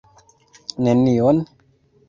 Nenion?